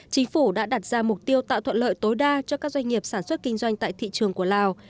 chính phủ đã đặt ra mục tiêu tạo thuận lợi tối đa cho các doanh nghiệp sản xuất kinh doanh tại thị trường của lào